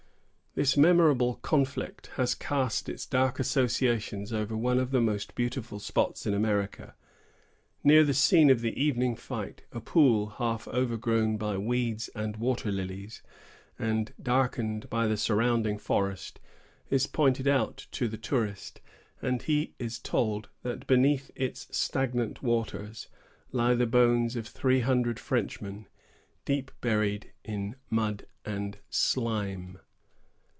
This memorable conflict has cast its dark associations over one of the most beautiful spots in America. Near the scene of the evening fight, a pool, half overgrown by weeds and water lilies, and darkened by the surrounding forest, is pointed out to the tourist, and he is told that beneath its stagnant waters lie the bones of three hundred Frenchmen, deep buried in mud and slime.